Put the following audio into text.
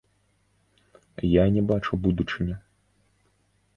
Я не бачу будучыню.